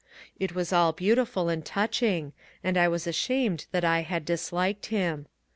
It was all beautiful and touching, and I was ashamed that I had disliked him.